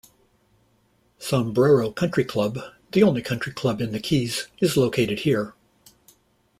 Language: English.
Sombrero Country Club, the only country club in the Keys, is located here.